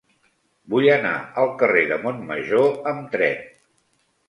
Vull anar al carrer de Montmajor amb tren.